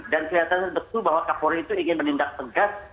dan kelihatan betul bahwa kapolri itu ingin menindak tegas